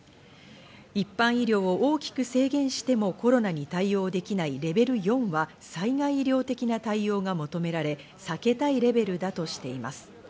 一般医療を大きく制限しても、コロナに対応できないレベル４は災害医療的な対応が求められ避けたいレベルだとしています。